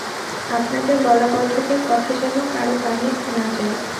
আপনাদের বলা পদ্ধতির কথা যেন কারো কানে না যায়।